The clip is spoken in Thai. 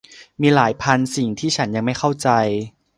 มีหลายพันสิ่งที่ฉันยังไม่เข้าใจ